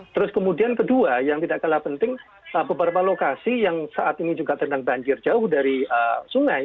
terus kemudian kedua yang tidak kalah penting beberapa lokasi yang saat ini juga terendam banjir jauh dari sungai